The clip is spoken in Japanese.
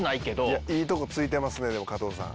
いやいいとこついてますねでも加藤さん。